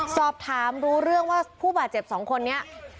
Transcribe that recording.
สอบถามรู้เรื่องว่าผู้บาดเจ็บ๒คนนี้